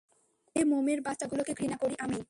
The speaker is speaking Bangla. এই মমির বাচ্চাগুলোকে ঘৃণা করি আমি!